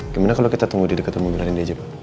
gimana kalau kita tunggu di deket mobil rendy aja pak